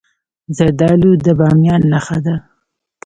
زردالو د بامیان نښه ده.